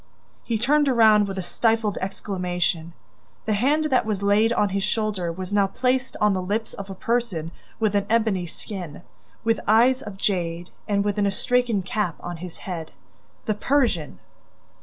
He turned around, with a stifled exclamation. The hand that was laid on his shoulder was now placed on the lips of a person with an ebony skin, with eyes of jade and with an astrakhan cap on his head: the Persian!